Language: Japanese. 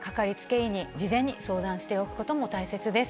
医に事前に相談しておくことも大切です。